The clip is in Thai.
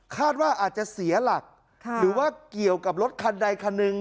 คาดว่าอาจจะเสียหลักหรือว่าเกี่ยวกับรถคันใดคันหนึ่ง